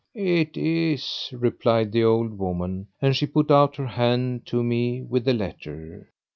"It is," replied the old woman; and she put out her hand to me with the letter.